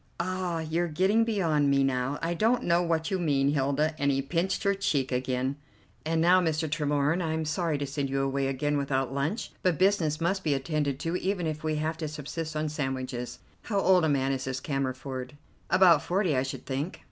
"Ah, you're getting beyond me now. I don't know what you mean, Hilda," and he pinched her cheek again. "And now, Mr. Tremorne, I am sorry to send you away again without lunch, but business must be attended to even if we have to subsist on sandwiches. How old a man is this Cammerford?" "About forty, I should think."